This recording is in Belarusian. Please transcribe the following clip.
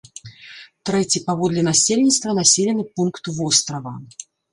Трэці паводле насельніцтва населены пункт вострава.